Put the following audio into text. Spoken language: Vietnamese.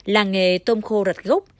làng nghề tôm khô rạch gốc